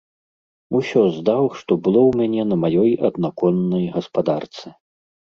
Усё здаў, што было ў мяне на маёй аднаконнай гаспадарцы.